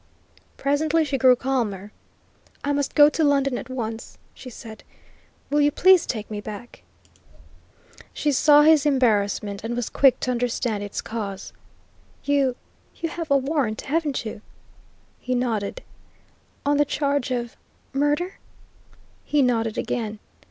Presently she grew calmer. "I must go to London at once," she said. "Will you please take me back?" She saw his embarrassment and was quick to understand its cause. "You you have a warrant, haven't you?" He nodded. "On the charge of murder?" He nodded again.